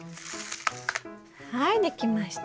はい出来ました。